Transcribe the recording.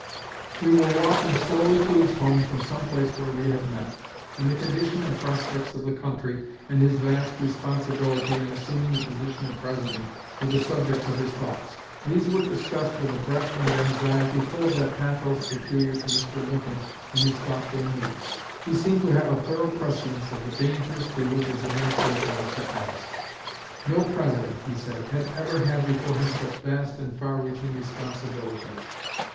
"We were walking slowly to his home from some place where we had met, and the condition and prospects of the country, and his vast responsibility in assuming the position of President, were the subjects of his thoughts. These were discussed with a breadth and anxiety full of that pathos peculiar to Mr. Lincoln in his thoughtful moods. He seemed to have a thorough prescience of the dangers through which his administration was to pass. No President, he said, had ever had before him such vast and far reaching responsibilities.